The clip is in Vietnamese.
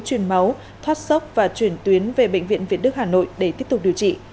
truyền máu thoát sốc và chuyển tuyến về bệnh viện việt đức hà nội để tiếp tục điều trị